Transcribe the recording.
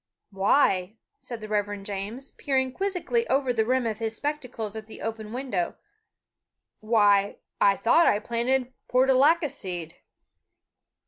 "Why," said the Reverend James, peering quizzically over the rim of his spectacles at the open window, "why, I thought I planted portulaca seed."